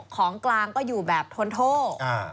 ของกลางก็อยู่แบบทนโทษ